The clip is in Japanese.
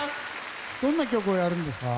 どんな曲をやるんですか？